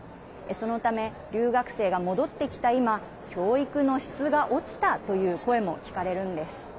そのため、留学生が戻ってきた今教育の質が落ちたという声も聞かれるんです。